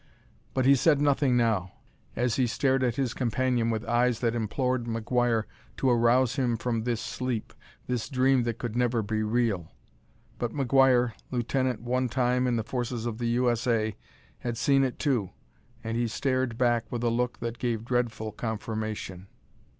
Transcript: But he said nothing now, as he stared at his companion with eyes that implored McGuire to arouse him from this sleep, this dream that could never be real. But McGuire, lieutenant one time in the forces of the U. S. A., had seen it too, and he stared back with a look that gave dreadful confirmation.